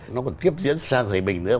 nó còn tiếp diễn sang thùy bình nữa